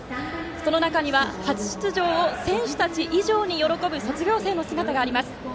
その中には初出場を選手たち以上に喜ぶ卒業生の姿があります。